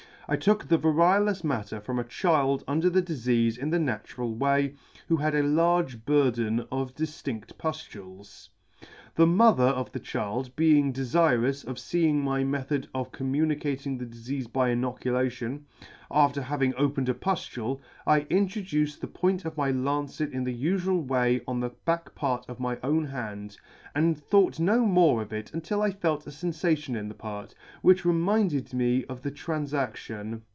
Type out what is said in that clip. I took the variolous matter from a child under the difeafe in the natural way, who had a large burden of diftind puftules. The mother of the child being defirous of feeing my method of communi cating the difeafe by inoculation, after having opened a puftule, I introduced the point of my lancet in the ufual way on the back part of my own hand, and thought no more of it until I felt a fenfation in the part, which reminded me of the tranfac tion.